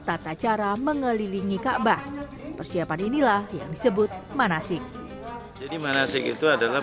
tata cara mengelilingi kaabah persiapan inilah yang disebut manasik jadi manasik itu adalah